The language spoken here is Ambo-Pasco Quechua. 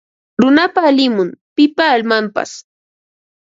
Runapa animun; pipa almanpas